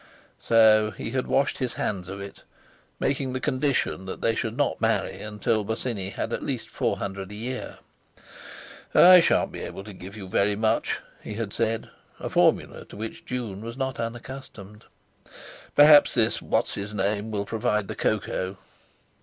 So, he had washed his hands of it, making the condition that they should not marry until Bosinney had at least four hundred a year. "I shan't be able to give you very much," he had said, a formula to which June was not unaccustomed. "Perhaps this What's his name will provide the cocoa."